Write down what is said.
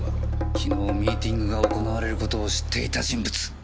昨日ミーティングが行われる事を知っていた人物！